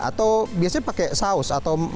atau biasanya pakai saus atau